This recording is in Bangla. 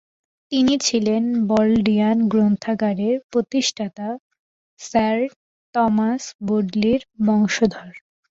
তিনি ছিলেন বডলিয়ান গ্রন্থাগারের প্রতিষ্ঠাতা স্যার স্যার টমাস বডলির বংশধর।